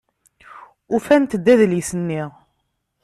Ufant-d adlis-nni.